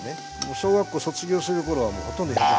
小学校卒業する頃はもうほとんど１８０近くあった。